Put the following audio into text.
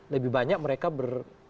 lebih banyak mereka ber